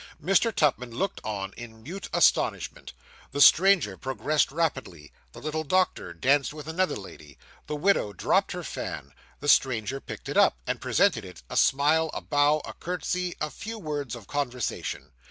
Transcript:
Mr. Tupman looked on, in mute astonishment. The stranger progressed rapidly; the little doctor danced with another lady; the widow dropped her fan; the stranger picked it up, and presented it a smile a bow a curtsey a few words of conversation.